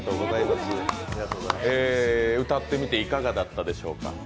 歌ってみていかがだったでしょうか？